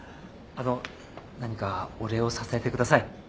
あのう何かお礼をさせてください